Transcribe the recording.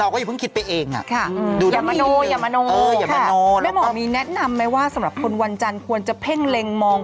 เกิดวันอังคารค่ะตอนเนี้ยอยากรู้แล้วว่าวันอังคารเป็นยังไง